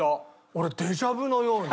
俺デジャブのように。